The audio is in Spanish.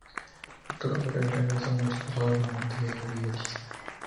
Fructuoso Rivera regresó a marchas forzadas a Montevideo y Oribe lo siguió.